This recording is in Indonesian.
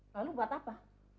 lalu buat apa